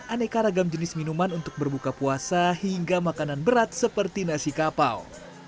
aneka ragam jenis minuman untuk berbuka puasa hingga makanan berat seperti nasi kapau